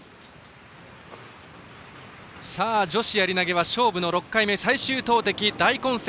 女子やり投げは勝負の６回目最終投てき、大混戦。